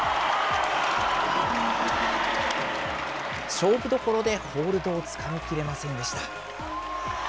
勝負どころでホールドをつかみきれませんでした。